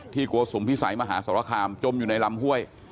โกสุมพิสัยมหาสรคามจมอยู่ในลำห้วย